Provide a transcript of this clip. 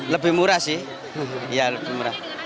lebih murah sih